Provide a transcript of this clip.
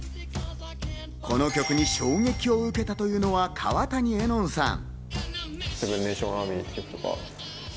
この曲に衝撃を受けたというのが川谷絵音さん。